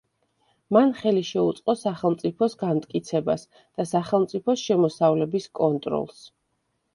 მან ხელი შეუწყო სახელმწიფოს განმტკიცებას და სახელმწიფოს შემოსავლების კონტროლს.